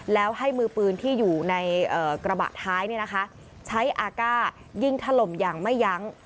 แล้วให้มือปืนที่อยู่ในกระบะท้ายใช้อากาศยิงถล่มอย่างไม่ยั้ง